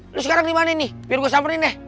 lo sekarang dimana nih biar gue samperin deh